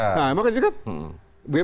nah emang kan juga